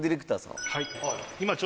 はい。